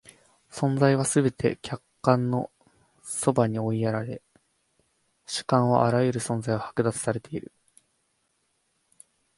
存在はすべて客観の側に追いやられ、主観はあらゆる存在を剥奪されている。